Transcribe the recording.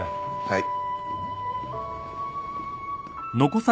はい。